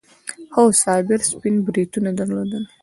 خو صابر سپين بریتونه درلودل.